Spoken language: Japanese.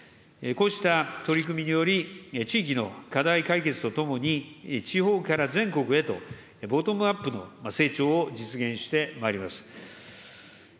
こうした取り組みにより、地域の課題解決とともに、地方から全国へと、ボトムアップの成長を実現してまいります。